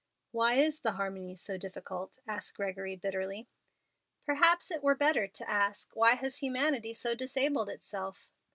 "Why is the harmony so difficult?" asked Gregory, bitterly. "Perhaps it were better to ask, Why has humanity so disabled itself?"